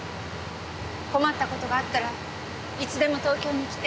困った事があったらいつでも東京に来て。